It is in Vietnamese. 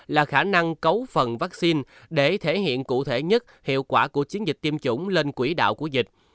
là khả năng cấu phần vaccine để thể hiện cụ thể nhất hiệu quả của chiến dịch tiêm chủng lên quỹ đạo của dịch